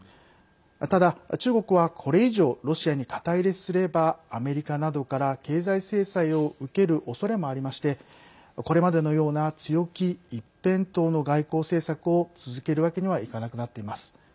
ただ、中国はこれ以上ロシアに肩入れすればアメリカなどから経済制裁を受けるおそれもありましてこれまでのような強気一辺倒の外交政策を続けるわけにはいかなくなっています。